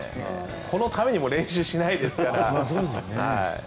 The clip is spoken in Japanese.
このための練習もしないですから。